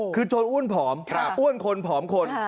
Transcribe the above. คือโจรอ้วนผอมอ้วนคนผอมคน